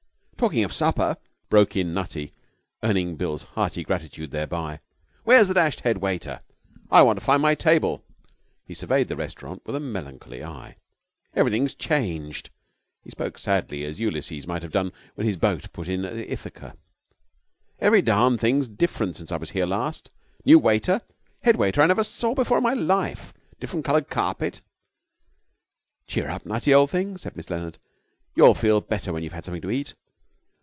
'Talking of supper,' broke in Nutty, earning Bill's hearty gratitude thereby, 'where's the dashed head waiter? I want to find my table.' He surveyed the restaurant with a melancholy eye. 'Everything changed!' He spoke sadly, as Ulysses might have done when his boat put in at Ithaca. 'Every darned thing different since I was here last. New waiter, head waiter I never saw before in my life, different coloured carpet ' 'Cheer up, Nutty, old thing!' said Miss Leonard. 'You'll feel better when you've had something to eat.